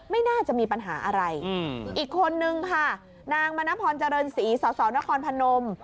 ไม่น่าจะมีปัญหาอะไรอีกคนนึงค่ะนางมณพรเจริญศรีสสนครพนม